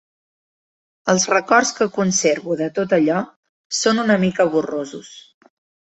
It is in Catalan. Els records que conservo de tot allò són una mica borrosos